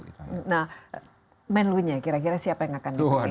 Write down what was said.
nah melunya kira kira siapa yang akan didukung